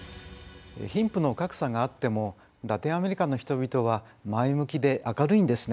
貧富の格差があってもラテンアメリカの人々は前向きで明るいんですね。